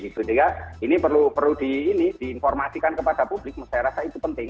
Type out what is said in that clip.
jadi ini perlu diinformasikan kepada publik saya rasa itu penting